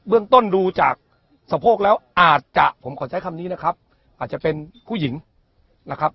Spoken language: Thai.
เรื่องต้นดูจากสะโพกแล้วอาจจะผมขอใช้คำนี้นะครับอาจจะเป็นผู้หญิงนะครับ